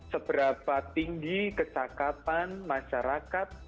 seberapa tinggi kecakapan masyarakat